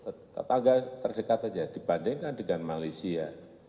tetap agak terdekat saja dibandingkan dengan malaysia